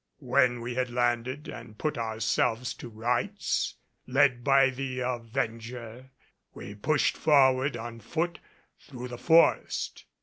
When we had landed and put ourselves to rights, led by the Avenger, we pushed forward on foot through the forest.